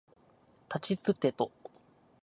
たちつてと